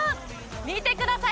見てください。